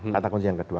kata kunci yang kedua